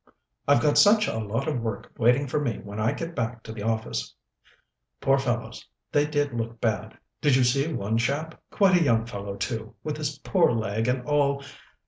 "I've got such a lot of work waiting for me when I get back to the office." "Poor fellows, they did look bad! Did you see one chap, quite a young fellow, too, with his poor leg and all...."